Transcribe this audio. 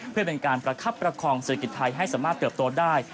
เพื่อเป็นการประคับประคองเศรษฐกิจไทยให้สามารถเติบโตได้